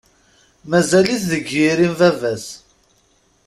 Mazal-it deg yiri n baba-s.